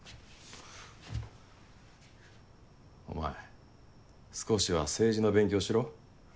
お前少しは政治の勉強しろ。